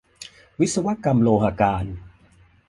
วิศวกรรมโลหการ